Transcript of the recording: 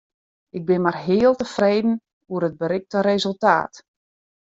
Ik bin mar heal tefreden oer it berikte resultaat.